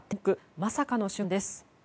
まさかの瞬間です。